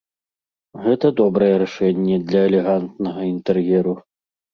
Гэта добрае рашэнне для элегантнага інтэр'еру.